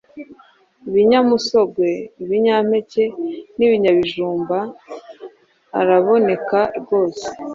ibinyamisogwe, ibinyampeke n’ibinyabijumba araboneka rwose